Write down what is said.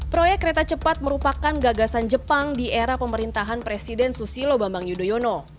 proyek kereta cepat merupakan gagasan jepang di era pemerintahan presiden susilo bambang yudhoyono